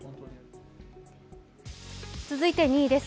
続いて２位です。